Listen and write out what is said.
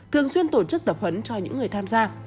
thường xuyên tổ chức tập huấn cho những người tham gia